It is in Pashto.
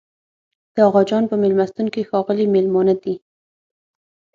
د اغاخان په مېلمستون کې ښاغلي مېلمانه دي.